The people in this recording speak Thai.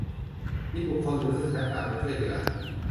มีบุคคลหรือสถานการณ์มาช่วยเหลือ